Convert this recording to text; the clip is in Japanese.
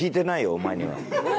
お前には。